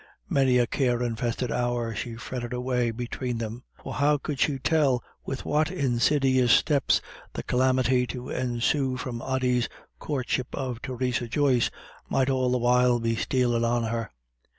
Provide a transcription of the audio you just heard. Many a care infested hour she fretted away between them. For how could she tell with what insidious steps the calamity to ensue from Ody's courtship of Theresa Joyce might all the while be stealing on her?